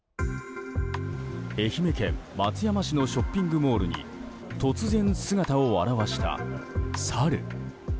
愛媛県松山市のショッピングモールに突然、姿を現したサル。